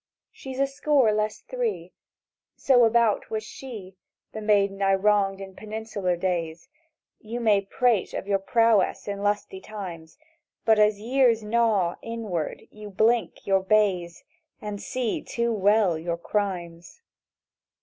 "She's a score less three; so about was she— The maiden I wronged in Peninsular days ... You may prate of your prowess in lusty times, But as years gnaw inward you blink your bays, And see too well your crimes!